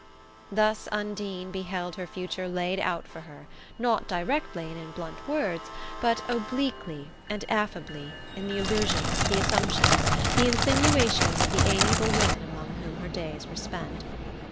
Thus Undine beheld her future laid out for her, not directly and in blunt words, but obliquely and affably, in the allusions, the assumptions, the insinuations of the amiable women among whom her days were spent.